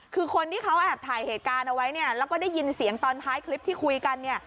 คือคนที่เขาแอบถ่ายเหตุการณ์เอาไว้เนี่ยแล้วก็ได้ยินเสียงตอนท้ายคลิปที่คุยกันเนี่ย